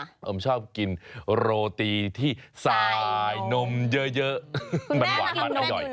ผมชอบกินโรตีที่สายนมเยอะมันหวานมันอร่อย